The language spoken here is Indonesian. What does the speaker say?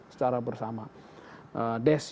secara bersama desk yang itu